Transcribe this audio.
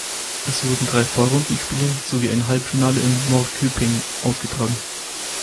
Es wurden drei Vorrundenspiele sowie ein Halbfinale in Norrköping ausgetragen.